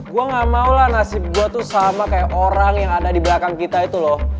gue gak mau lah nasib gue tuh sama kayak orang yang ada di belakang kita itu loh